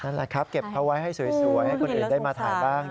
นั่นแหละครับเก็บเขาไว้ให้สวยให้คนอื่นได้มาถ่ายบ้าง